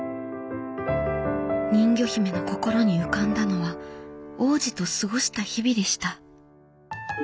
人魚姫の心に浮かんだのは王子と過ごした日々でした。